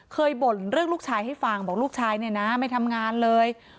บ่นเรื่องลูกชายให้ฟังบอกลูกชายเนี่ยนะไม่ทำงานเลย